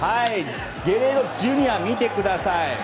ゲレーロＪｒ．を見てください。